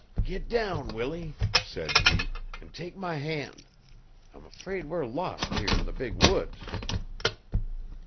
'Git down, Willie,' said he, 'an' tek my hand. I'm 'fraid we're lost here 'n the big woods.'